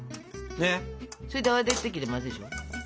それで泡立て器で混ぜるでしょ。